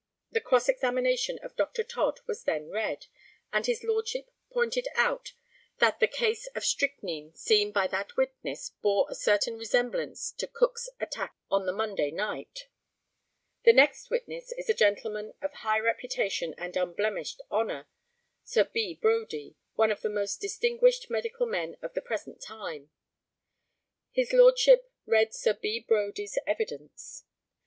[The cross examination of Dr. Todd was then read, and his Lordship pointed out that the case of strychnine seen by that witness bore a certain resemblance to Cook's attack on the Monday night.] The next witness is a gentleman of high reputation and unblemished honour, Sir B. Brodie, one of the most distinguished medical men of the present time. [His Lordship read Sir B. Brodie's evidence.